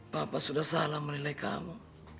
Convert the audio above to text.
bapak sudah salah menilai kamu